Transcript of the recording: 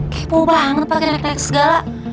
kepo banget pake nek nek segala